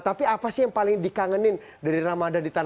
tapi apa sih yang paling dikangenin dari ramadan di tanah